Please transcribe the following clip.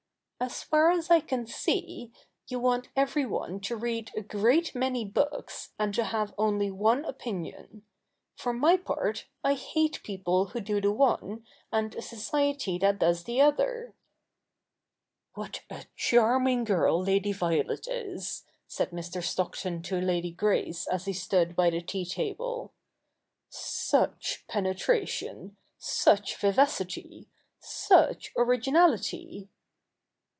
' As far as I can see, you want everyone to read a great many books and to have only one opinion. For my part, I hate people who do the one, and a society that does the other.' ' What a charming girl Lady \^iolet is !' said Mr. L 2 i64 THE NEW REPUBLIC [bk. hi Stockton to Lady Grace as he stood by the tea table. ' Such penetration ! such vivacity I such originahty